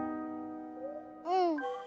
うん。